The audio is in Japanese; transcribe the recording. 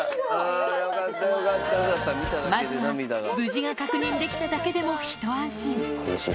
まずは無事が確認できただけでも一安心。